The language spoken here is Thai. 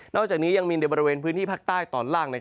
อกจากนี้ยังมีในบริเวณพื้นที่ภาคใต้ตอนล่าง